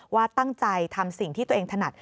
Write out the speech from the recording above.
ว่าตั้งใจทำสิ่งที่ตัวเองถนัด